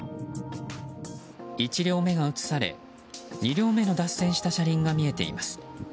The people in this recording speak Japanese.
１両目が移され、２両目の脱線した車輪が見えています。